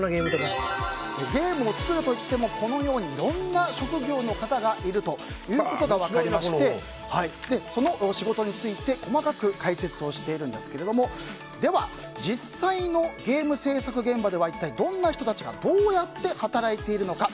ゲームを作るといってもいろいろな職業の方がいるということが分かりましてその仕事について、細かく解説しているんですけれどもでは、実際のゲーム制作現場では一体どんな人たちがどうやって働いているのか。